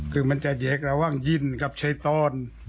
คือมันจะเยกระหว่างยิ่นกับใช้ตอน